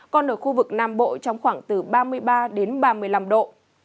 còn ở khu vực nam bộ trong khoảng từ ba mươi ba đến ba mươi năm độ